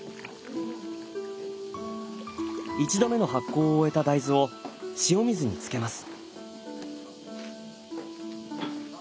一度目の発酵を終えた大豆を塩水につけます。